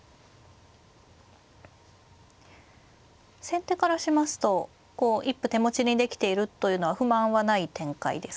先手からしますとこう一歩手持ちにできているというのは不満はない展開ですか。